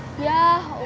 egan yang pertama